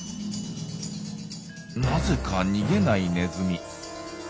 なぜか逃げないネズミ。